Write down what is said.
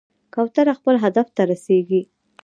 کوتره خپل هدف ته رسېږي.